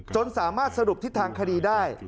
สามารถสรุปทิศทางคดีได้